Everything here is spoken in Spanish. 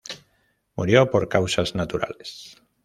Murió por causas naturales.